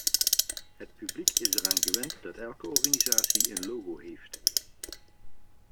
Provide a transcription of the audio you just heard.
Het publiek is eraan gewend dat elke organisatie een logo heeft.